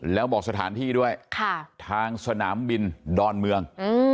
แล้วบอกสถานที่ด้วยทางสนามบินดอนเมือง